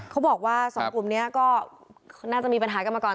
เขาบอกว่าสองกลุ่มนี้ก็น่าจะมีปัญหากันมาก่อน